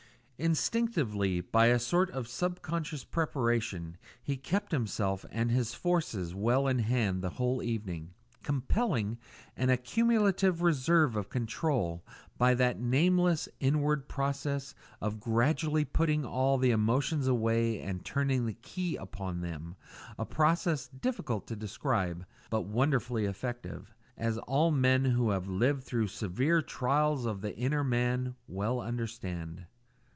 Instinctively, by a sort of sub conscious preparation, he kept himself and his forces well in hand the whole evening, compelling an accumulative reserve of control by that nameless inward process of gradually putting all the emotions away and turning the key upon them a process difficult to describe, but wonderfully effective, as all men who have lived through severe trials of the inner man well understand.